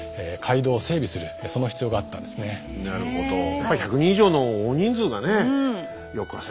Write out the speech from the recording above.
やっぱ１００人以上の大人数がねよっこらせ